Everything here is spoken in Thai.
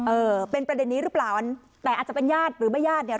เออเป็นประเด็นนี้หรือเปล่าแต่อาจจะเป็นญาติหรือไม่ญาติเนี่ย